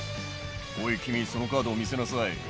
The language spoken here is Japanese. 「おい君そのカードを見せなさい」